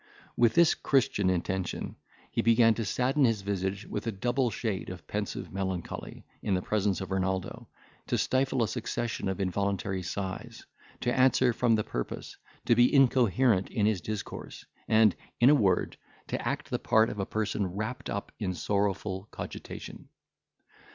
With this Christian intention, he began to sadden his visage with a double shade of pensive melancholy, in the presence of Renaldo, to stifle a succession of involuntary sighs, to answer from the purpose, to be incoherent in his discourse, and, in a word, to act the part of a person wrapt up in sorrowful cogitation.